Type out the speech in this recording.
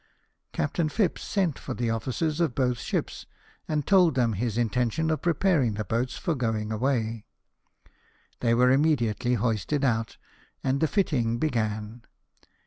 Captain Phipps sent for the officers of both ships, and told them his intention of preparing the boats for going away. They were immediately hoisted out, and the fitting began.